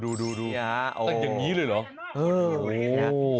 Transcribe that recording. ดูอย่างนี้เลยเหรอ